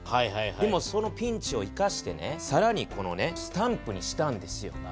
でもそのピンチを生かしてさらにスタンプにしたんですよ。